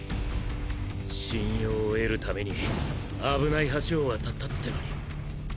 信用を得るために危ない橋を渡ったってのに。